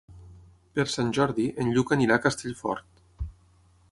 Per Sant Jordi en Lluc anirà a Castellfort.